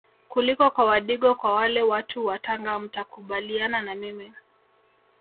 kuliko kwa wadigo kwa wale watu wa Tanga mtakubaliana na mimi